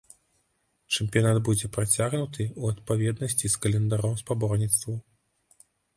Чэмпіянат будзе працягнуты ў адпаведнасці з календаром спаборніцтваў.